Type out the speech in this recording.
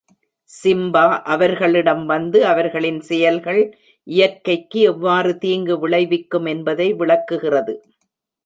Simba அவர்களிடம் வந்து, அவர்களின் செயல்கள் இயற்கைக்கு எவ்வாறு தீங்கு விளைவிக்கும் என்பதை விளக்குகிறது.